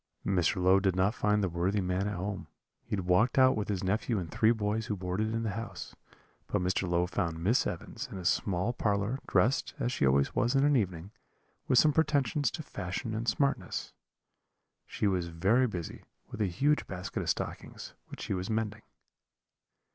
Mr. Low did not find the worthy man at home; he had walked out with his nephew and three boys who boarded in the house; but Mr. Low found Miss Evans in a small parlour, dressed, as she always was in an evening, with some pretensions to fashion and smartness: she was very busy with a huge basket of stockings, which she was mending.